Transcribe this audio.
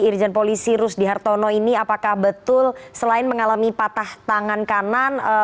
irijen polisi rustihartono ini apakah betul selain mengalami patah tangan kanan